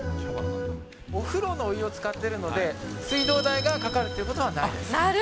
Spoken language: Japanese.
お風呂のお湯を使ってるので、水道代がかかるっていうことはないです。